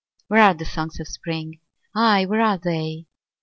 3. Where are the songs of Spring? Ay, where are they?